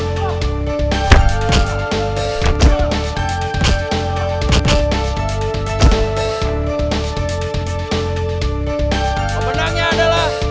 kau menangnya adalah